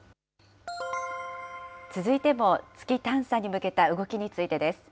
続いても月探査に向けた動きについてです。